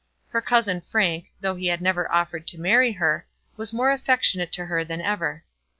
Her cousin Frank, though he had never offered to marry her, was more affectionate to her than ever.